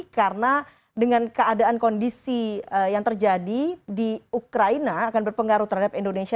karena dengan keadaan kondisi yang terjadi di ukraina akan berpengaruh terhadap indonesia